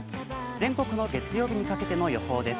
全国の月曜日にかけての予報です。